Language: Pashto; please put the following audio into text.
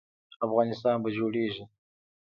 افغانستان به جوړیږي